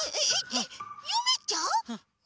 ねえゆめちゃん